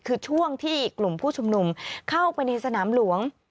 คือช่วงที่กลุ่มผู้ชุมนุมเข้าไปในสนามหลวง